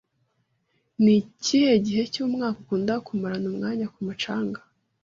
Ni ikihe gihe cyumwaka ukunda kumarana umwanya ku mucanga?